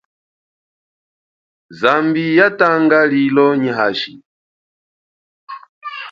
Zambi yatanga lilo nyi hashi.